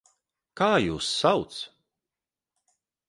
Kā jūs sauc?